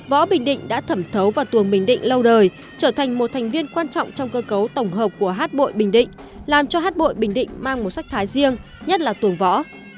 võ bình định đã thẩm thấu vào tuồng bình định lâu đời trở thành một thành viên quan trọng trong cơ cấu tổng hợp của hát bội bình định làm cho hát bội bình định mang một sắc thái riêng nhất là tuồng võ